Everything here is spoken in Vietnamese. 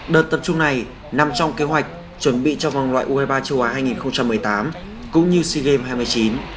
đợt tập trung này nằm trong kế hoạch chuẩn bị cho vòng loại u hai mươi ba châu á hai nghìn một mươi tám cũng như sea games hai mươi chín